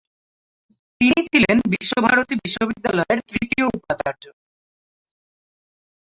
তিনি ছিলেন বিশ্বভারতী বিশ্ববিদ্যালয়ের তৃতীয় উপাচার্য।